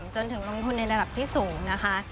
จนถึงลงทุนในระดับที่สูงนะคะ